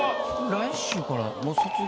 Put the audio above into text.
来週からもう卒業？